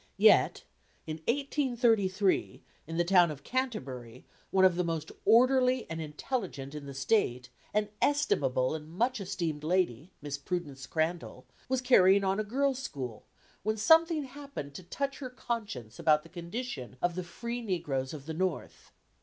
Yet, in 1833, in the town of Canterbury, one of the most orderly and intelligent in the State, an estimable and much esteemed lady, Miss Prudence Crandall, was carrying on a girls' school, when something happened to touch her conscience about the condition of the free negroes of the North.